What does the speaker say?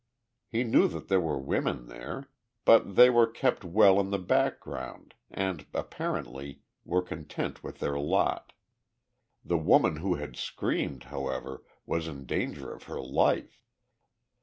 He knew that there were women there, but they were kept well in the background and, apparently, were content with their lot. The woman who had screamed, however, was in danger of her life.